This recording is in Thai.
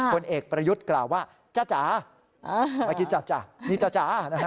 ผลเอกประยุทธกล่าวว่าจ่ะจ่ะมากินจ่ะนี่จ่ะ